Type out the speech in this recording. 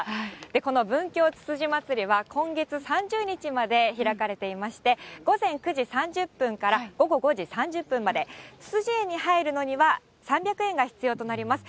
この文京つつじまつりは今月３０日まで開かれていまして、午前９時３０分から午後５時３０分まで、つつじえんに入るのには、３００円が必要となります。